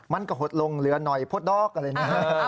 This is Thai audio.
มันก็หดลงเหลือหน่อยพดดอกอะไรนะฮะ